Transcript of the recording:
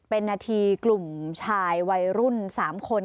เป็นนาทีกลุ่มชายวัยรุ่น๓คน